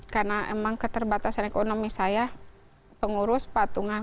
karena emang keterbatasan ekonomi saya pengurus patungan